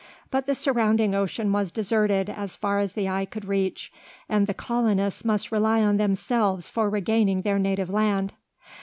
But the surrounding ocean was deserted as far as the eye could reach, and the colonists must rely on themselves for regaining their native land.